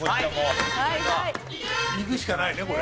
いくしかないねこれ。